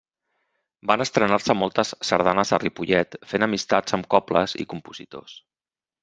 Van estrenar-se moltes sardanes a Ripollet, fent amistats amb cobles i compositors.